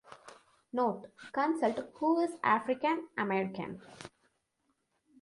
Note: Consult Who is African-American?